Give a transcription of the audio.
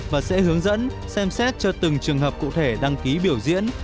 và sẽ hướng dẫn xem xét cho từng trường hợp cụ thể đăng ký biểu diễn